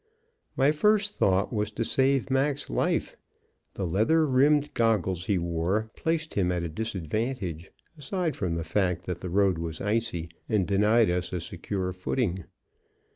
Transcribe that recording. My first thought was to save Mac's life. The leather rimmed goggles he wore placed him at a disadvantage, aside from the fact that the road was icy and denied us a secure footing.